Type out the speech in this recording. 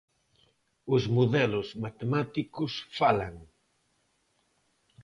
Os modelos matemáticos falan.